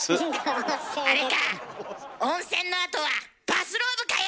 あれか温泉のあとはバスローブかよ！